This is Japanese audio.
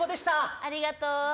ありがとう。